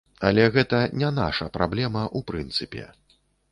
Але гэта не наша праблема, у прынцыпе.